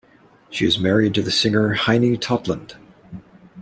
She is married to the singer Heine Totland.